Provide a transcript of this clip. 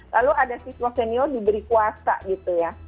lalu ada siswa senior diberi kuasa gitu ya